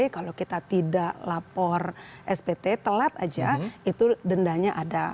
kalau kita tidak lapor spt telat aja itu dendanya ada